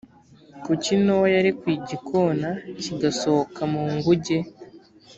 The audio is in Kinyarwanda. kuki nowa yarekuye igikona kigasohoka mu nguge